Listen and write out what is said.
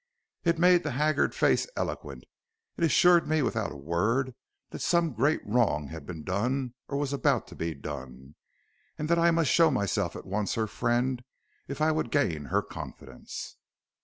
It made the haggard face eloquent; it assured me without a word that some great wrong had been done or was about to be done, and that I must show myself at once her friend if I would gain her confidence.